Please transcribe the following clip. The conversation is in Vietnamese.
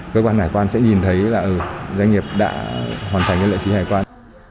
cơ quan hải quan sẽ nhìn thấy là doanh nghiệp đã hoàn thành nhân lệ phí hải quan